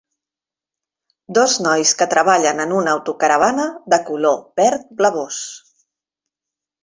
Dos nois que treballen en una autocaravana de color verd blavós.